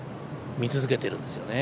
見続けてるんですよね。